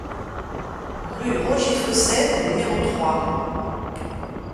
Rue Roger Fossey au numéro trois